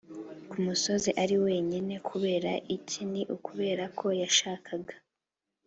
ku musozi ari wenyine Kubera iki Ni ukubera ko yashakaga